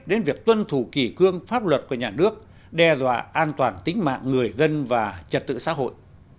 đến việc tuân thủ kỳ cương pháp luật của nhà nước đe dọa an toàn tính mạng người dân và trật tự xã hội